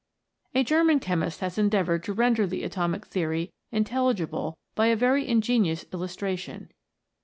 A German chemist has endeavoured to render the atomic theory intelligible by a very inge nious illustration.